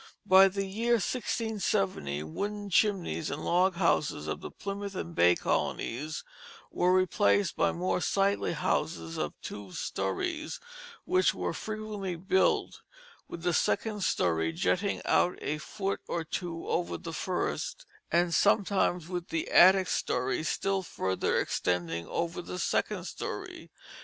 By the year 1670 wooden chimneys and log houses of the Plymouth and Bay colonies were replaced by more sightly houses of two stories, which were frequently built with the second story jutting out a foot or two over the first, and sometimes with the attic story still further extending over the second story.